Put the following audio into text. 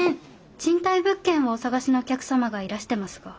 賃貸物件をお探しのお客様がいらしてますが。